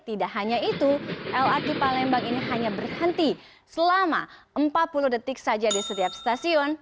tidak hanya itu lrt palembang ini hanya berhenti selama empat puluh detik saja di setiap stasiun